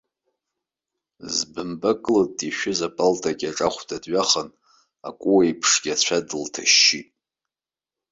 Збамба кылтта ишәыз иполтакьаҿ ахәда дҩахан, акәуа еиԥшгьы ицәа дылҭашьшьит.